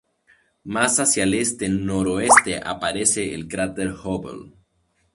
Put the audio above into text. Más hacia el este-noreste aparece el cráter Hubble.